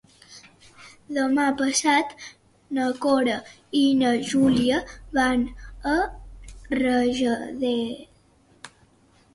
Demà passat na Cora i na Júlia van a Rajadell.